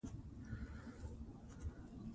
پابندی غرونه د افغان ځوانانو لپاره دلچسپي لري.